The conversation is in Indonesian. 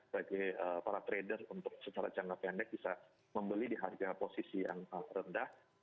bagi para trader untuk secara jangka pendek bisa membeli di harga posisi yang rendah